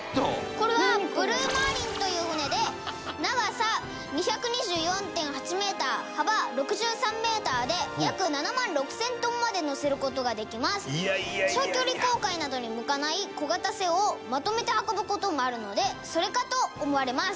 「これはブルーマーリンという船で長さ２２４．８メーター幅６３メーターで約７万６０００トンまで載せる事ができます」「長距離航海などに向かない小型船をまとめて運ぶ事があるのでそれかと思われます」